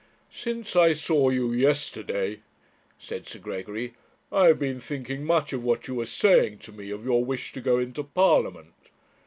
'Since I saw you yesterday,' said Sir Gregory, 'I have been thinking much of what you were saying to me of your wish to go into Parliament.'